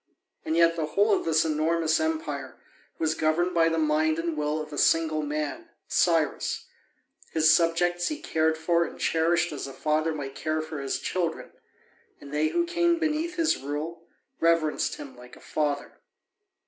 And yet the whole of this enormous empire was governed by the mind and will of a single man, Cyrus: his subjects he cared for and cherished as a father might care for his children, and they who came beneath his rule reverenced him like a father.